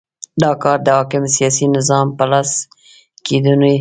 دا کار د حاکم سیاسي نظام په لاس کېدونی دی.